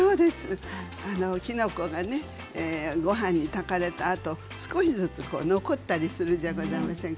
きのこでごはんで炊かれたあと、少しずつ残ったりするじゃないですか。